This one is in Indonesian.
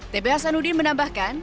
t b hasanudin menambahkan